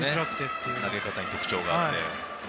投げ方に特徴があって。